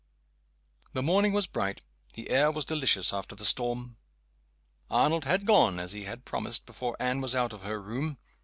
The morning was bright, the air was delicious after the storm. Arnold had gone, as he had promised, before Anne was out of her room.